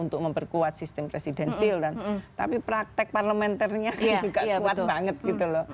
untuk memperkuat sistem presidensil dan tapi praktek parlementernya kan juga kuat banget gitu loh